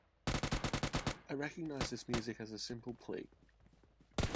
I recognized this music as a simple plea.